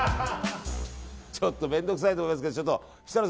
ちょっと面倒くさいと思いますけど設楽